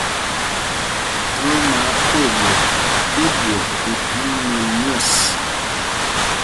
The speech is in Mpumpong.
Thɔɔ mí Akwooɓot i ɓwɔk i thaŋ mɛl myɛ̂ɛs.